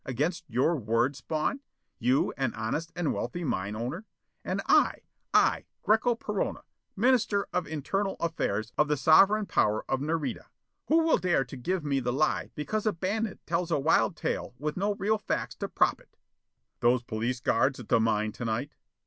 Against your word, Spawn? You, an honest and wealthy mine owner? And I I, Greko Perona, Minister of Internal Affairs of the Sovereign Power of Nareda! Who will dare to give me the lie because a bandit tells a wild tale with no real facts to prop it?" "Those police guards at the mine to night?"